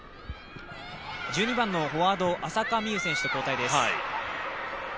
１２番のフォワード・浅香美結選手と交代です。